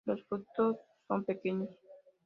Los frutos son pequeños.